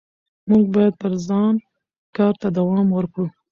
موږ باید پر ځان کار ته دوام ورکړو